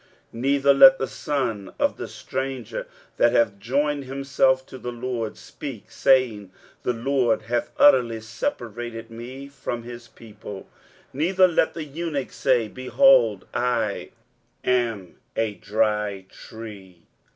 23:056:003 Neither let the son of the stranger, that hath joined himself to the LORD, speak, saying, The LORD hath utterly separated me from his people: neither let the eunuch say, Behold, I am a dry tree.